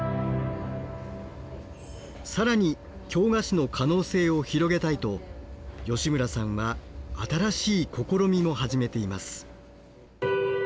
更に京菓子の可能性を広げたいと吉村さんは新しい試みも始めています。